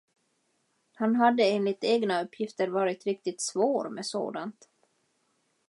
Han hade enligt egna uppgifter varit riktigt svår med sådant.